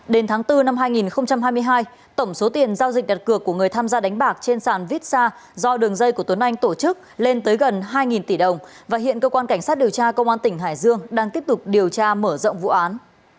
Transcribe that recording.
đến tháng bốn năm hai nghìn hai mươi hai tổng số tiền giao dịch đặt cược của người tham gia đánh bạc trên sàn vitsa do đường dây của tuấn anh tổ chức lên tới gần hai tỷ đồng và hiện cơ quan cảnh sát điều tra công an tỉnh hải dương đang tiếp tục điều tra mở rộng vụ án